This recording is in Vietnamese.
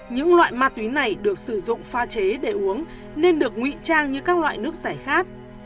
những loại ma túy này được sử dụng pha chế để uống nên được nguy trang như các loại nước giải khát